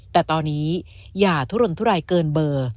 แต่ตอนนี้อย่าทุรนทุรายเกินเบอร์